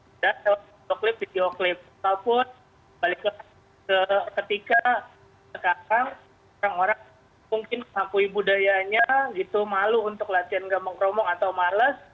lewat foto klip video klip ataupun ketika sekarang orang orang mungkin mengakui budayanya gitu malu untuk latihan gabang keromong atau males